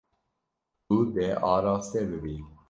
Tu dê araste bibî.